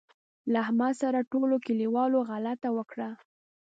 له احمد سره ټولوکلیوالو غلطه وکړله.